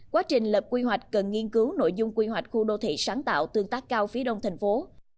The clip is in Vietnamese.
quá trình lập quy hoạch cần nghiên cứu nội dung quy hoạch khu đô thị sáng tạo tương tác cao phía đông thành phố